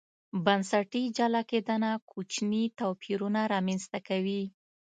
بنسټي جلا کېدنه کوچني توپیرونه رامنځته کوي.